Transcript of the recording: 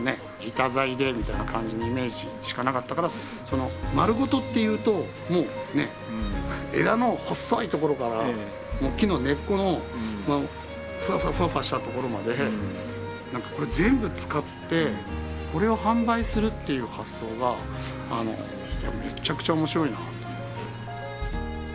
板材でみたいな感じのイメージしかなかったからまるごとっていうともうね枝の細いところから木の根っこのフワフワフワフワしたところまでこれ全部使ってこれを販売するっていう発想がめちゃくちゃ面白いなと思って。